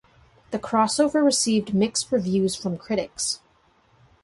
The crossover received mixed reviews from critics.